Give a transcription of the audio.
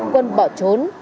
quân bỏ trốn